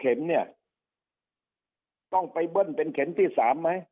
เข็มเนี่ยต้องไปเบิ้ลเป็นเข็มที่๓ไหม